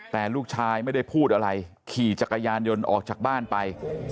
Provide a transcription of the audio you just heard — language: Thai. แต่ลูกชายไม่ได้พูดอะไรขี่จักรยานยนต์ออกจากบ้านไป